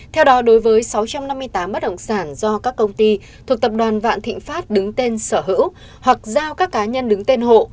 theo đó đối với sáu trăm năm mươi tám bất động sản do các công ty thuộc tập đoàn vạn thịnh pháp đứng tên sở hữu hoặc giao các cá nhân đứng tên hộ